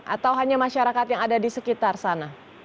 atau hanya masyarakat yang ada di sekitar sana